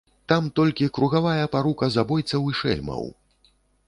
Там толькі кругавая парука забойцаў і шэльмаў.